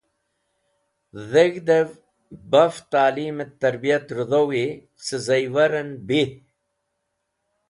Dheg̃hdve Baf Ta'lim et Tarbiyat redhowi ce Zaiwaren bih